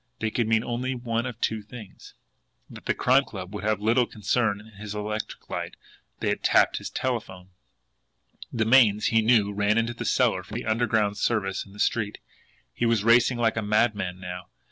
They could mean only one of two things and the Crime Club would have little concern in his electric light! THEY HAD TAPPED HIS TELEPHONE. The mains, he knew, ran into the cellar from the underground service in the street. He was racing like a madman now.